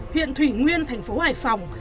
huyện thủy nguyên thành phố hải phòng